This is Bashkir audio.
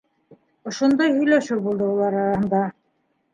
Ошондай һөйләшеү булды улар араһында.